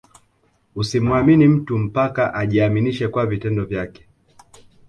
Usimuamini mtu mpaka ajiaminishe kwa vitendo vyake